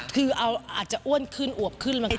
คืออาจจะอ้วนขึ้นอวบขึ้นกัน